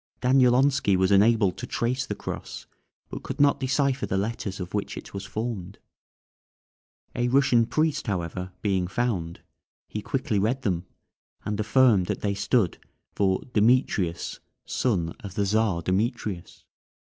Danielonski was enabled to trace the cross, but could not decipher the letters of which it was formed. A Russian priest, however, being found, he quickly read them, and affirmed that they stood for "Demetrius, son of the Czar Demetrius."